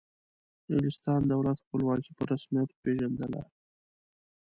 د انګلستان دولت خپلواکي په رسمیت وپیژندله.